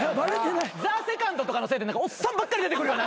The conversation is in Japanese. ＴＨＥＳＥＣＯＮＤとかのせいでおっさんばっかり出てくるように。